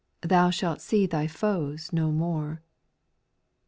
Thou shalt see thy foes no more.